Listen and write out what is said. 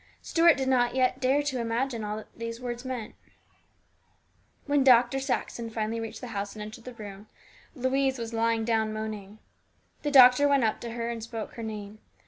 Stuart did not dare yet to imagine all that these words meant. 289 19 290 HIS BROTHER'S KEEPER. When Dr. Saxon finally reached the house and entered the room, Louise was lying down moaning. The doctor went up to her and spoke her name.